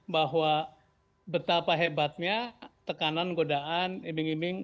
bahwa betapa hebatnya tekanan godaan iming iming